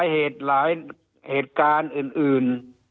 หลายเหตุการณ์อื่น